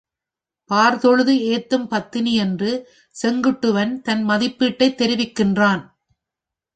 பார்தொழுது ஏத்தும் பத்தினி என்று செங்குட்டுவன் தன் மதிப்பீட்டைத் தெரிவிக்கின்றான்.